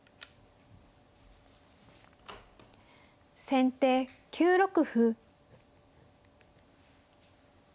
先手９六歩。